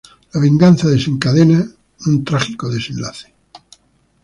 La venganza desencadena en un trágico desenlace.